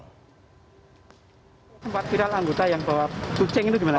sempat viral anggota yang bawa kucing itu gimana